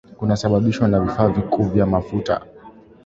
kunasababishwa na vifaa vikuu vya mafuta